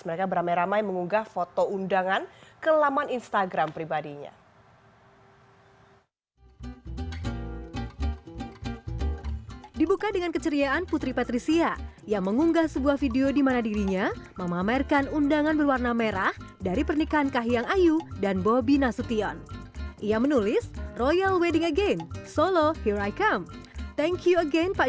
mereka beramai ramai mengunggah foto undangan ke laman instagram pribadinya